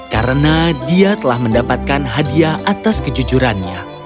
karena dia telah mendapatkan hadiah atas kejujurannya